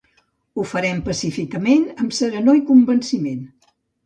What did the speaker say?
Ho farem pacíficament, amb serenor i convenciment.